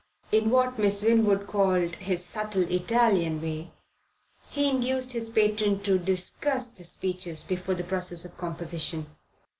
In what Miss Winwood called his subtle Italian way, he induced his patron to discuss the speeches before the process of composition.